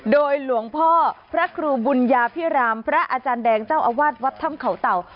โดยหลวงพ่อพระครูบุญญาพิรามพระอาจารย์แดงเจ้าอาวาสวัดถ้ำเขาเต่า